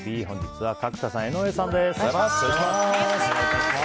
本日は角田さん、江上さんです。